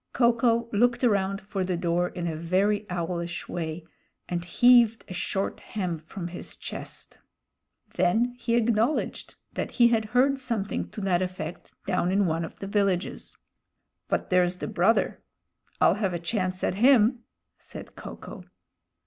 Ko ko looked around for the door in a very owlish way and heaved a short hem from his chest. Then he acknowledged that he had heard something to that effect down in one of the villages. "But there's the brother. I'll have a chance at him," said Ko ko.